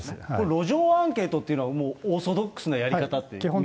路上アンケートっていうのは、オーソドックスなやり方と見ていいですか。